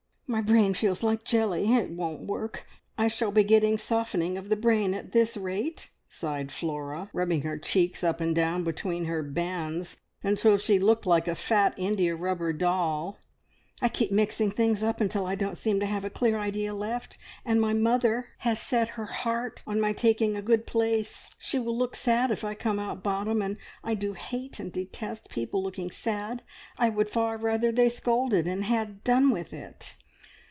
"My brain feels like jelly! It won't work. I shall be getting softening of the brain at this rate!" sighed Flora, rubbing her cheeks up and down between her bands until she looked like a fat indiarubber doll. "I keep mixing things up until I don't seem to have a clear idea left, and my mother has set her heart on my taking a good place. She will look sad if I come out bottom, and I do hate and detest people looking sad! I would far rather they scolded, and had done with it!"